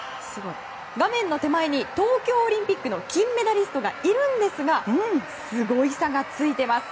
画面の手前に東京オリンピックの金メダリストがいるんですがすごい差がついています。